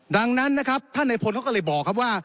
ดังนั้นนะครับท่านในพลเขาก็เลยบอกครับว่า